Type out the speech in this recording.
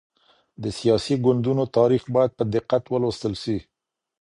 د سياسي ګوندونو تاريخ بايد په دقت ولوستل سي.